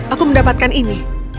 aku mendapatkan ini